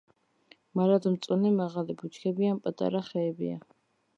მარადმწვანე მაღალი ბუჩქები ან პატარა ხეებია.